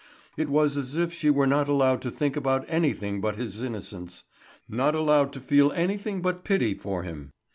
It was as if she were not allowed to think about anything but his innocence, not allowed to feel anything but pity for him.